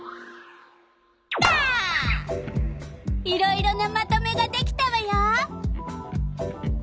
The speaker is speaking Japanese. いろいろなまとめができたわよ。